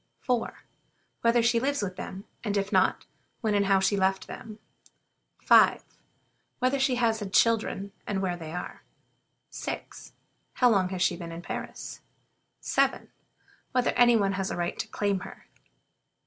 4. Whether she lives with them, and if not, when and how she left them? 5. Whether she has had children, and where they are? 6. How long she has been at Paris? 7. Whether any one has a right to claim her?